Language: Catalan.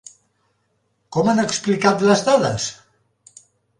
Com han explicat les dades?